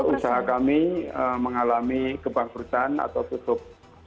usaha kami mengalami kebangsaan atau tutup